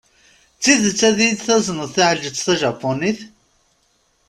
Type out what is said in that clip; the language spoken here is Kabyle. D tidet ad yi-d-tazneḍ taɛelǧett tajapunit?